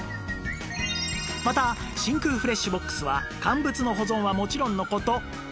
また真空フレッシュボックスは乾物の保存はもちろんの事